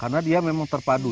karena dia memang terpadu